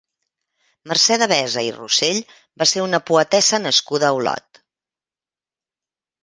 Mercè Devesa i Rossell va ser una poetessa nascuda a Olot.